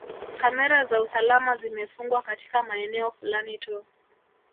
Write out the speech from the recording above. Kamera za usalama zimefungwa katika maeneo fulani tu